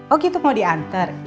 oh gitu mau diantar